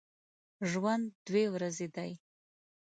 ژوند دوې ورځي دی